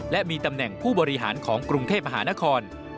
และมีตำแหน่งผู้บริหารของกรุงเทพมหานคร